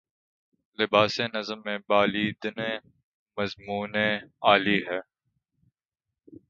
لباسِ نظم میں بالیدنِ مضمونِ عالی ہے